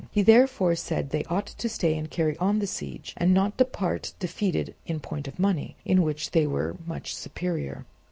He therefore said that they ought to stay and carry on the siege, and not depart defeated in point of money, in which they were much superior.